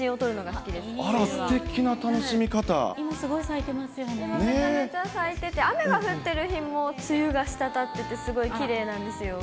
今、めちゃめちゃ咲いてて、雨が降っている日も、梅雨が滴ってて、すごいきれいなんですよ。